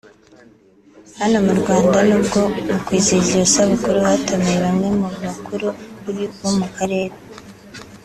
Hano mu Rwanda n’ubwo mu kwizihiza iyo sabukuru hatumiwe bamwe mu bakuru b’ibihugu bo mu Karere